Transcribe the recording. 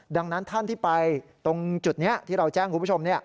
ดังนั้นท่านที่ไปตรงจุดนี้ที่เราแจ้งคุณผู้ชม